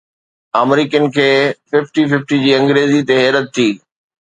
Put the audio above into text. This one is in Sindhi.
آمريڪين کي ففٽي ففٽي جي انگريزيءَ تي حيرت ٿي